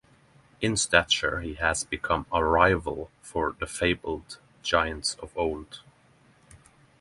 In stature he has become a rival for the fabled giants of old.